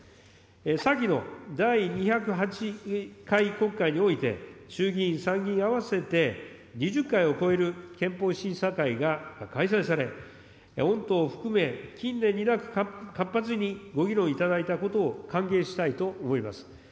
先の第２０８回国会において、衆議院・参議院合わせて２０回を超える憲法審査会が開催され、御党を含め、近年になく活発にご議論頂いたことを歓迎したいと思います。